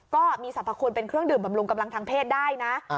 ก็มีสรรพคุณเป็นเครื่องดื่มบำรุงกำลังทางเพศได้นะ